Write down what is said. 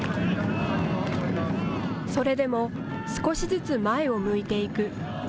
それでも少しずつ前を向いていく。